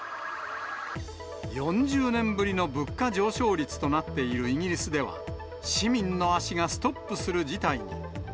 ４０年ぶりの物価上昇率となっているイギリスでは、市民の足がストップする事態に。